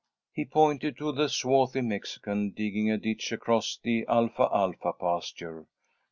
He pointed to the swarthy Mexican, digging a ditch across the alfalfa pasture.